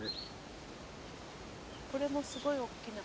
これもすごいおっきな蕾。